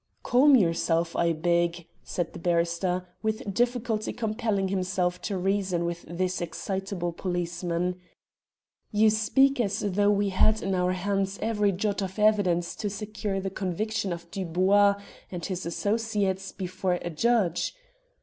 "Calm yourself, I beg," said the barrister, with difficulty compelling himself to reason with this excitable policeman. "You speak as though we had in our hands every jot of evidence to secure the conviction of Dubois and his associates before a judge."